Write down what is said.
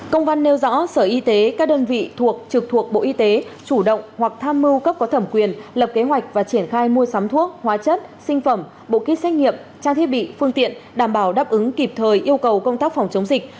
công văn nêu rõ sở y tế các đơn vị thuộc trực thuộc bộ y tế chủ động hoặc tham mưu cấp có thẩm quyền lập kế hoạch và triển khai mua sắm thuốc hóa chất sinh phẩm bộ kit xét nghiệm trang thiết bị phương tiện đảm bảo đáp ứng kịp thời yêu cầu công tác phòng chống dịch